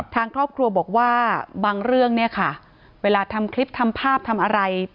ทางครอบครัวบอกว่าบางเรื่องเนี่ยค่ะเวลาทำคลิปทำภาพทำอะไร